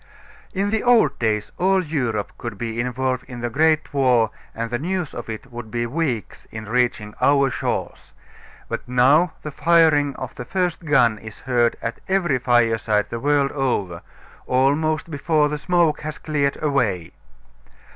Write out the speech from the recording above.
In the old days all Europe could be involved in a great war and the news of it would be weeks in reaching our shores, but now the firing of the first gun is heard at every fireside the world over, almost before the smoke has cleared away.